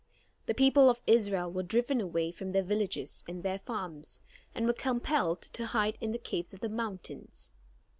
The people of Israel were driven away from their villages and their farms, and were compelled to hide in the caves of the mountains.